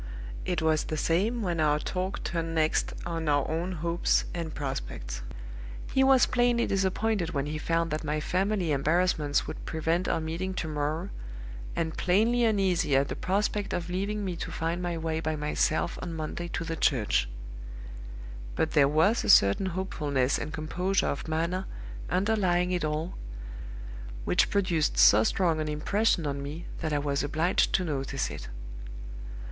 It was the same when our talk turned next on our own hopes and prospects. He was plainly disappointed when he found that my family embarrassments would prevent our meeting to morrow, and plainly uneasy at the prospect of leaving me to find my way by myself on Monday to the church. But there was a certain hopefulness and composure of manner underlying it all, which produced so strong an impression on me that I was obliged to notice it.